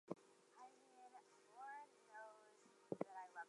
Many voters in Germany had other concerns besides the European Union.